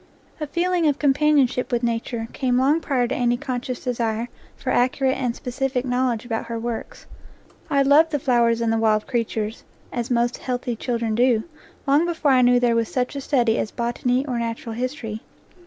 A feeling of companion ship with Nature came long prior to any conscious desire for accurate and specific knowledge about her works. I loved the flowers and the wild creatures, as most healthy children do, long before I knew there was such a study as botany or natural history.